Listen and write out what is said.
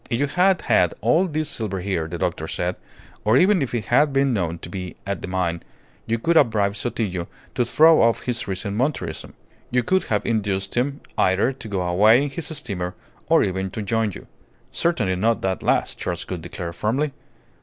"If you had had all this silver here," the doctor said, "or even if it had been known to be at the mine, you could have bribed Sotillo to throw off his recent Monterism. You could have induced him either to go away in his steamer or even to join you." "Certainly not that last," Charles Gould declared, firmly.